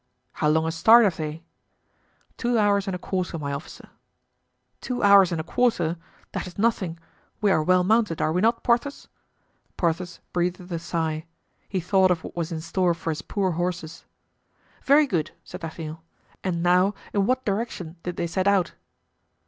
"How long a start have they?" "Two hours and a quarter, my officer." "Two hours and a quarter—that is nothing; we are well mounted, are we not, Porthos?" Porthos breathed a sigh; he thought of what was in store for his poor horses. "Very good," said D'Artagnan; "and now in what direction did they set out?"